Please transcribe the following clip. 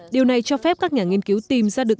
điều này cho phép các nhà nghiên cứu tìm ra được